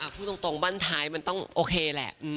พูดตรงบ้านท้ายมันต้องโอเคแหละ